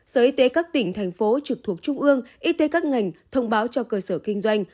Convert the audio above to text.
sở y tế các tỉnh thành phố trực thuộc trung ương y tế các ngành thông báo cho cơ sở kinh doanh